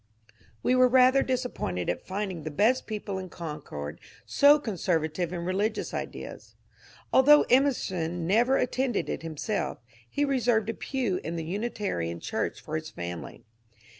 We were rather disappointed at finding the best people in Concord so conservative in religious ideas. Although Emer son never attended it himself, he reserved a pew in the Uni tarian church for his family.